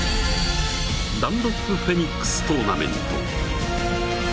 ダンロップフェニックストーナメント。